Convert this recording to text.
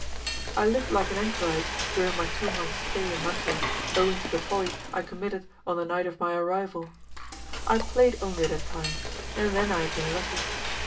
I lived like an anchorite during my two months' stay in Mantua, owing to the folly. I committed on the night of my arrival. I played only that time, and then I had been lucky.